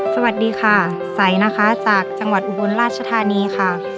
สวัสดีค่ะใสนะคะจากจังหวัดอุบลราชธานีค่ะ